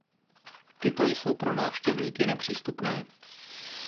Tyto jsou pro návštěvníky nepřístupné.